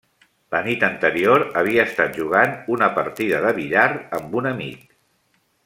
La nit anterior, havia estat jugant una partida de billar amb un amic.